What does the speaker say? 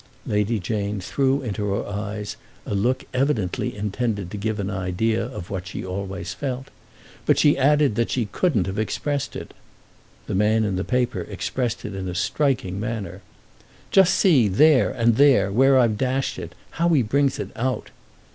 Lady Jane threw into her eyes a look evidently intended to give an idea of what she always felt; but she added that she couldn't have expressed it. The man in the paper expressed it in a striking manner. "Just see there, and there, where I've dashed it, how he brings it out."